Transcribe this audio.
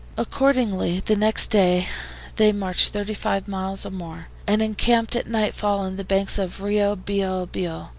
Accordingly, the next day they marched 35 miles or more, and encamped at nightfall on the banks of Rio Biobio.